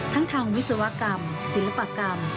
ทั้งทางวิศวกรรมศิลปกรรม